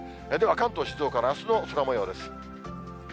では、関東、静岡のあすの空もようです。